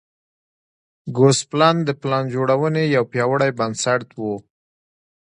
ګوسپلن د پلان جوړونې یو پیاوړی بنسټ و.